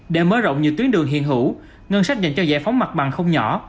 để mới rộng như tuyến đường hiện hữu ngân sách dành cho giải phóng mặt bằng không nhỏ